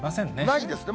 ないですね。